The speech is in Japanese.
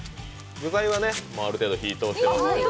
具材はある程度火が通ってますので。